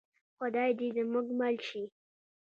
خدای دې زموږ مل شي؟